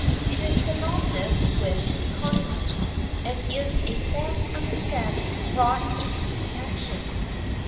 It is synonymous with economy, and is a sound understanding brought into action.